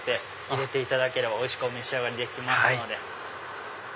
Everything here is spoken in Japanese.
入れていただければおいしくお召し上がりできます。